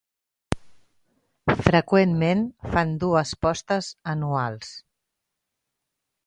Freqüentment fan dues postes anuals.